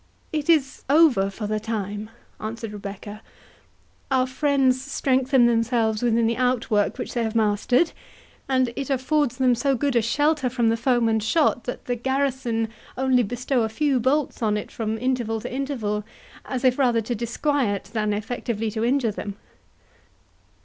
"It is over for the time," answered Rebecca; "our friends strengthen themselves within the outwork which they have mastered, and it affords them so good a shelter from the foemen's shot, that the garrison only bestow a few bolts on it from interval to interval, as if rather to disquiet than effectually to injure them."